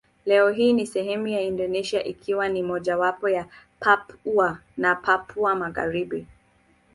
Leo hii ni sehemu ya Indonesia ikiwa ni majimbo ya Papua na Papua Magharibi.